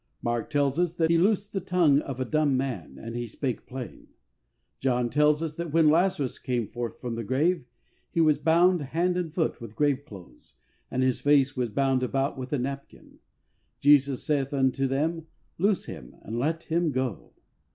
Mark tells us that He loosed the tongue of a dumb man and he spake plain. John tells us that when Lazarus came forth from the grave he was "bound hand and foot with grave clothes, and his face was bound about with a napkin. Jesus saith unto them, loose him and let him go."